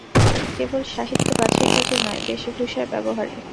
কেবল সাহিত্য-বাছাই কাজে নয়, বেশে ভূষায় ব্যবহারে।